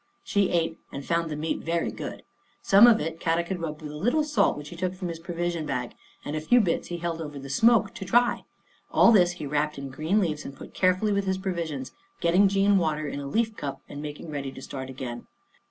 She ate and found the meat very good. Some of it Kadok had rubbed with a little salt which he took from his provision bag, and a few bits he held over the smoke to dry. All this he wrapped in green leaves and put carefully with his provisions, getting Jean water in a leaf cup and making ready to start again.